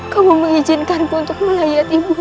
kamu mengizinkanku untuk melayati bunahku